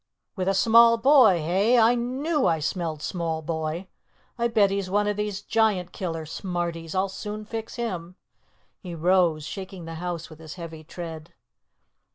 "With a small boy, eh? I knew I smelled small boy. I'll bet he's one of these Giant killer smarties. I'll soon fix him." He rose, shaking the house with his heavy tread.